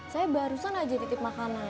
saya barusan aja titip makanan